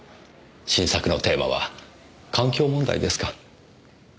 新作のテーマは環境問題ですか。